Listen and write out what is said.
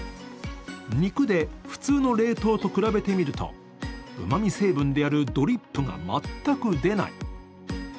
肉で普通の冷凍と比べてみると、うまみ成分であるドリップが全く出ない。